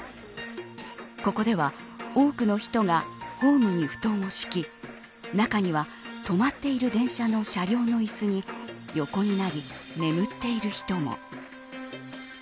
ここでは多くの人がホームに布団を敷き中には止まっている電車の車両の椅子に横になり眠っている人も。